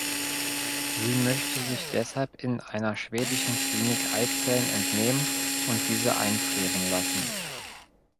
Sie möchte sich deshalb in einer schwedischen Klinik Eizellen entnehmen und diese einfrieren lassen.